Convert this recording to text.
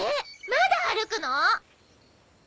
まだ歩くの！？